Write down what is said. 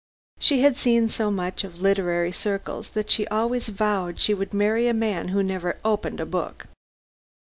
She had seen so much of literary circles that she always vowed she would marry a man who never opened a book.